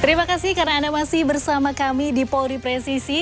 terima kasih karena anda masih bersama kami di polri presisi